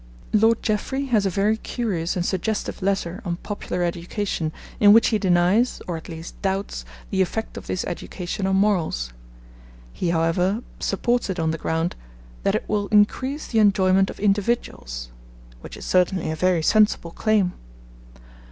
Lord Jeffrey has a very curious and suggestive letter on popular education, in which he denies, or at least doubts, the effect of this education on morals. He, however, supports it on the ground 'that it will increase the enjoyment of individuals,' which is certainly a very sensible claim.